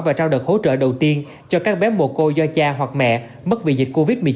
và trao đợt hỗ trợ đầu tiên cho các bé mồ cô do cha hoặc mẹ mất vì dịch covid một mươi chín